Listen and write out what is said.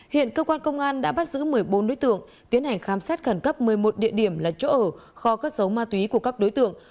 hiện cơ quan công an đã bắt giữ một mươi bốn đối tượng tiến hành khám xét khẩn cấp một mươi một địa điểm là chỗ ở kho cất dấu ma túy của các đối tượng